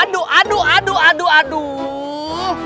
aduh aduh aduh aduh